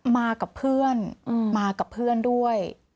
มากับเพื่อนมากับเพื่อนด้วย